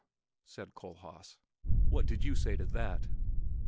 said Kohlhaas. "What did you say to that?"